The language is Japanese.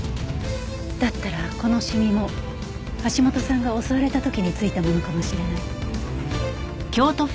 だったらこのシミも橋本さんが襲われた時に付いたものかもしれない。